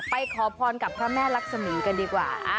ขอพรกับพระแม่ลักษมีกันดีกว่า